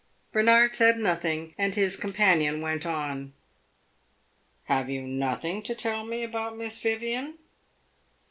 Bernard said nothing and his companion went on. "Have you nothing to tell me about Miss Vivian?"